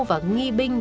và nghi binh